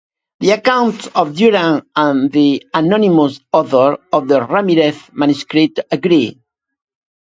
The accounts of Duran and the anonymous author of the Ramirez manuscript agree.